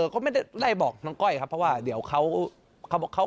ก็ไม่ได้ไล่บอกน้องก้อยครับเพราะว่าเดี๋ยวเขาบอกเขา